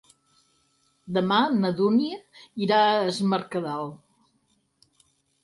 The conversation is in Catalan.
Demà na Dúnia irà a Es Mercadal.